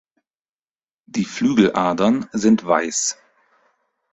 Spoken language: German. Die Flügeladern sind weiß.